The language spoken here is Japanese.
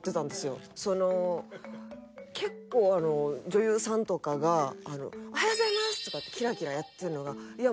結構あの女優さんとかが「おはようございます」とかキラキラやってるのがいや